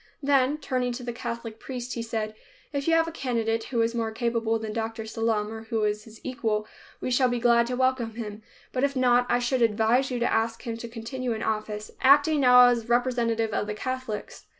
Then, turning to the Catholic priest, he said, "If you have a candidate who is more capable than Dr. Sallum or who is his equal, we shall be glad to welcome him, but if not, I should advise you to ask him to continue in office, acting now as representative of the Catholics."